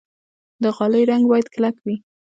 د غالۍ رنګ باید کلک وي.